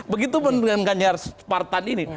begitu pun dengan ganjar spartan ini